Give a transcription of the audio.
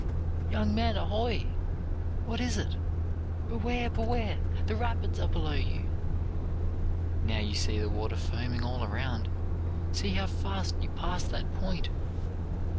"'Young men, ahoy!' 'What is it?' 'Beware! Beware! The rapids are below you!' "Now you see the water foaming all around. See how fast you pass that point!